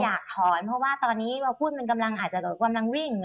อยากถอนเพราะว่าตอนนี้ว่าหุ้นมันกำลังอาจจะกำลังวิ่ง